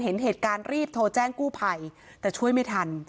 เห็นเหตุการณ์รีบโทรแจ้งกู้ภัยแต่ช่วยไม่ทัน